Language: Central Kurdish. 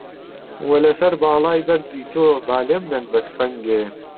وە لە سەر باڵای بەرزی تۆ، با لێم دەن بە تفەنگێ